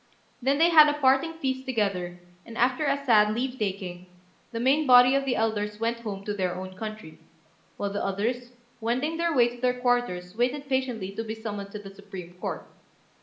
Then they had a parting feast together, and, after a sad leave taking, the main body of the elders went home to their own country; while the others, wending their way to their quarters waited patiently to be summoned to the Supreme Court.